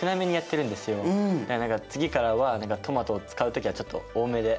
だから次からはトマトを使う時はちょっと多めで。